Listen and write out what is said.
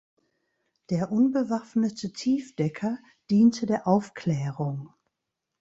Der unbewaffnete Tiefdecker diente der Aufklärung.